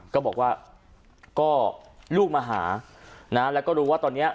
ก็บอกว่าก็ลูกมาหานะแล้วก็รู้ว่าตอนนี้